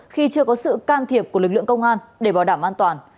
khi chưa có sự can thiệp của lực lượng công an để bảo đảm an toàn